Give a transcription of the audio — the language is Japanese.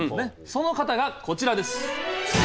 その方がこちらです。